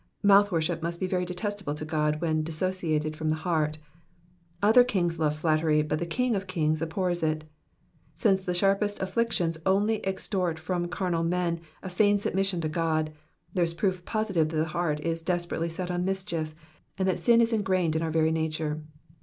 Mouth worship must be very detestable to God when dissociated from the heart : other kings love flattery, but the King of kings abhors it. Since the sharpest afllictions only extort from carnal men a feigned submission to God, there is proof positive that the heart is desperately set on mischief, and that sin is ingrained in our very nature.